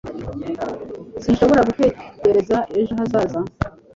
Sinshobora gutegereza ejo hazaza